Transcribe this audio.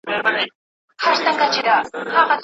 مطربه ما دي په نغمه کي غزل وپېیله